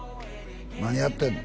何やってんの？